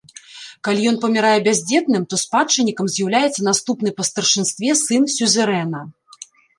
Калі ён памірае бяздзетным, то спадчыннікам з'яўляецца наступны па старшынстве сын сюзерэна.